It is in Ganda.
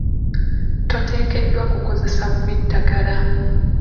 Toteekeddwa kukozesa bubi ddagala.